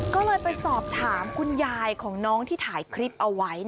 ก็เลยไปสอบถามคุณยายของน้องที่ถ่ายคลิปเอาไว้